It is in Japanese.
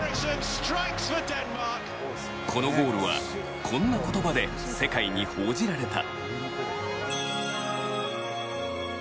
このゴールはこんな言葉で世界に報じられた。